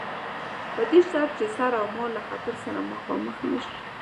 په دې شرط چې سر اومال له خطر سره مخامخ نه شي.